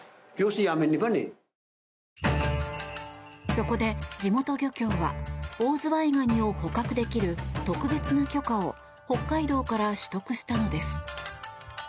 そこで地元漁協はオオズワイガニを捕獲できる特別な許可を北海道から取得したのです。